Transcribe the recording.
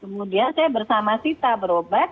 kemudian saya bersama sita berobat